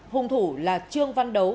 hung thủ là trương văn đấu